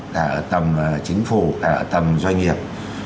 cả ở tầm chính phủ cả ở tầm doanh nghiệp